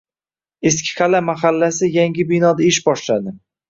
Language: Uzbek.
“Eskiqal’a” mahallasi yangi binoda ish boshladi